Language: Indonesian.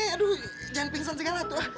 aduh jangan pingsan segala tuh